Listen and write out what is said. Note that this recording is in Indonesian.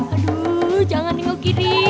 aduh jangan nengok kiri